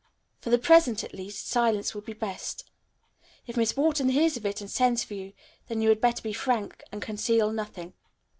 For the present, at least, silence will be best. If Miss Wharton hears of it and sends for you, then you had better be frank and conceal nothing."